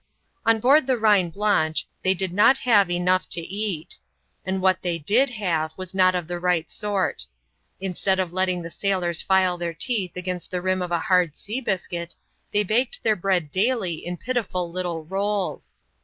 On board the Reine Blanche, they did not have enough to eat ; and what they did have, was not of the right sort. Instead of letting the sailors file their teeth against the rim of a hard sea biscuit, they baked their bread daily in pitiful little rolls.